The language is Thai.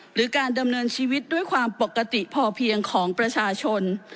หรือการดำเนินชีวิตด้วยความปกติพอเพียงของประชาชน